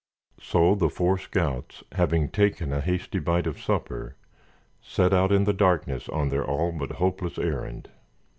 So the four scouts, having taken a hasty bite of supper, set out in the darkness on their all but hopeless errand.